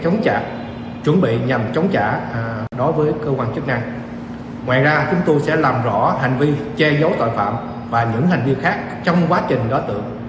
ngoài ra chúng tôi sẽ làm rõ hành vi che giấu tội phạm và những hành vi khác trong quá trình đối tượng